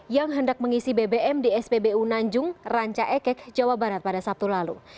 yang hendak mengisi bbm di spbu nanjung ranca ekek jawa barat pada sabtu lalu